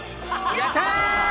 やったー！